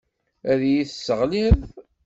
Ad iyi-tesseɣliḍ.